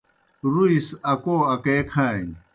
رُوْئی سہ اکو اکے کھانیْ